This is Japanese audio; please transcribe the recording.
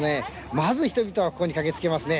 まず人々はここに駆けつけますね。